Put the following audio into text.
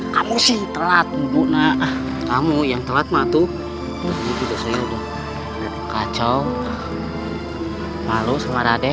kamu sih telat mbak nak kamu yang telat matuh kacau malu semarade